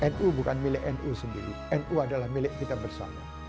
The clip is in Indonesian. nu bukan milik nu sendiri nu adalah milik kita bersama